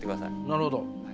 なるほど。